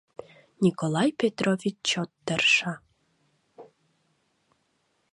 Николай Петрович чот тырша.